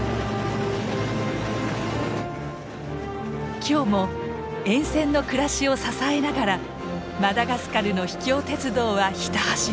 今日も沿線の暮らしを支えながらマダガスカルの秘境鉄道はひた走る。